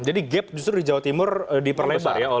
jadi gap justru di jawa timur diperlebar ya